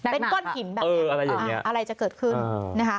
เป็นก้อนหินแบบนี้อะไรจะเกิดขึ้นนะคะ